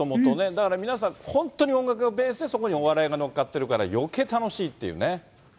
だから皆さん、本当に音楽がベースで、そこにお笑いが乗っかってるから、そうですね。